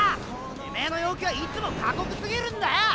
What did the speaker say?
てめェの要求はいつも過酷すぎるんだよ